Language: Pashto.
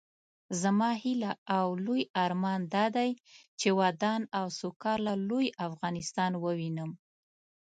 زما هيله او لوئ ارمان دادی چې ودان او سوکاله لوئ افغانستان ووينم